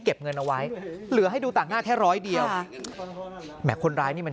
เงินเอาไว้เหลือให้ดูต่างหน้าแค่ร้อยเดียวค่ะแหมคนร้ายนี่มัน